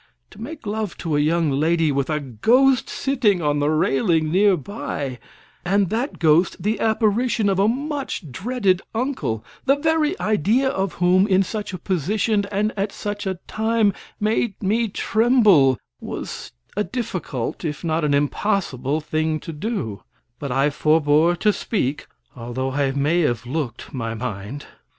To make love to a young lady with a ghost sitting on the railing nearby, and that ghost the apparition of a much dreaded uncle, the very idea of whom in such a position and at such a time made me tremble, was a difficult, if not an impossible, thing to do; but I forbore to speak, although I may have looked my mind.